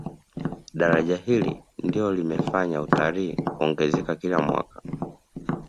daraja hili ndilo limefanya utalii kuongezeka kila mwaka